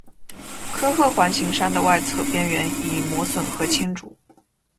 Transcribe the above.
科赫环形山的外侧边缘已磨损和侵蚀。